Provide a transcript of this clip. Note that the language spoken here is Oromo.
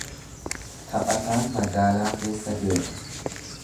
Taphataan magaalaa keessa deema.